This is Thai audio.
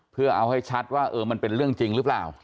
เพื่อเอาให้ชัดว่ามันเป็นเรื่องจริงหรือเปล่า